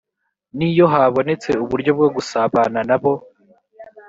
n iyo habonetse uburyo bwo gusabana na bo